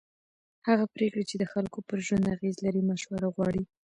هغه پرېکړې چې د خلکو پر ژوند اغېز لري مشوره غواړي